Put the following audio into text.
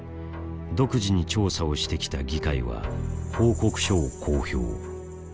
独自に調査をしてきた議会は報告書を公表。